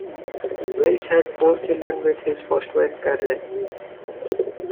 Welch had four children with his first wife, Carolyn.